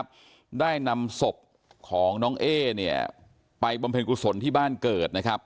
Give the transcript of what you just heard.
ได้นำศพของน้องเอ๊เนี่ยไปบำเพ็ญกุศลที่บ้านเกิดนะครับ